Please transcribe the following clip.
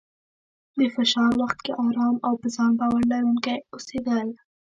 د فشار وخت کې ارام او په ځان باور لرونکی اوسېدل،